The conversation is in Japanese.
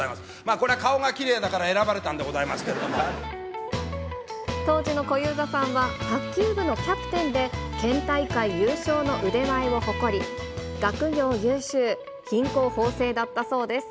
これは顔がきれいだから選ばれた当時の小遊三さんは、卓球部のキャプテンで、県大会優勝の腕前を誇り、学業優秀、品行方正だったそうです。